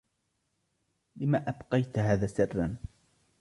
لمَ أبقيت هذا سرًّا؟